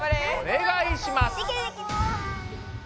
お願いします。